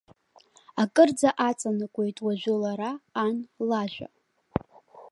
Акырӡа аҵанакуеит уажәы лара, ан лажәа.